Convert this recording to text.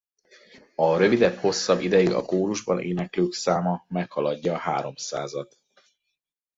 A rövidebb-hosszabb ideig a kórusban éneklők száma meghaladja a háromszázat.